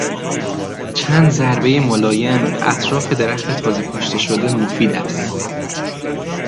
چند ضربهی ملایم به اطراف درخت تازه کاشته شده مفید است.